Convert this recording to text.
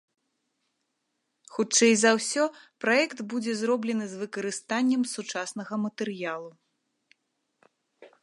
Хутчэй за ўсё, праект будзе зроблены з выкарыстаннем сучаснага матэрыялу.